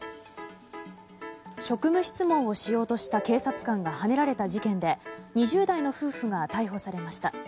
職務質問をしようとした警察官がはねられた事件で２０代の夫婦が逮捕されました。